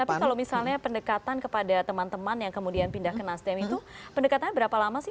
tapi kalau misalnya pendekatan kepada teman teman yang kemudian pindah ke nasdem itu pendekatannya berapa lama sih